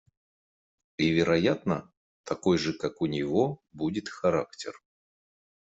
И, вероятно, такой же, как у него, будет характер.